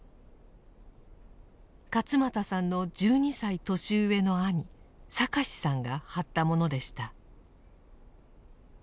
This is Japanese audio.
勝又さんの１２歳年上の兄哲さんが貼ったものでした。